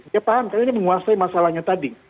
dia paham karena ini menguasai masalahnya tadi